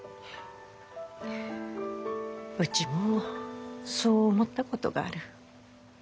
うちもそう思ったことがある。